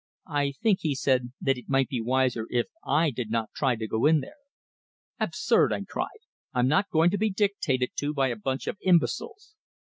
"I think," he said, "it might be wiser if I did not try to go in there." "Absurd!" I cried. "I'm not going to be dictated to by a bunch of imbeciles!"